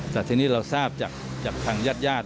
แต่ทีนี้เราทราบจากทางยาด